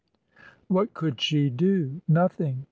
What could she do? Nothing!